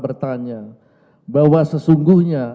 bertanya bahwa sesungguhnya